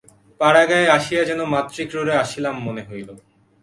পাড়াগাঁয়ে আসিয়া যেন মাতৃক্রোড়ে আসিলাম মনে হইল।